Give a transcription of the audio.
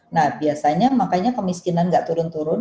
nah biasanya makanya kemiskinan nggak turun turun